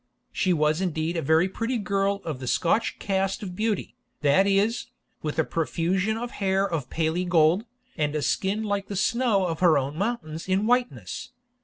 She was indeed a very pretty girl of the Scotch cast of beauty, that is, with a profusion of hair of paley gold, and a skin like the snow of her own mountains in whiteness.